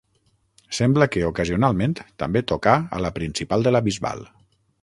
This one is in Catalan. Sembla que, ocasionalment, també tocà a la Principal de la Bisbal.